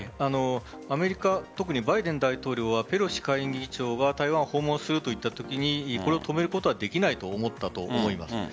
特にバイデン大統領はペロシ下院議長が台湾を訪問すると言ったときこれを止めることはできないと思ったと思います。